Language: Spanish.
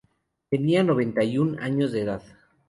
Tenía noventa y un años de edad.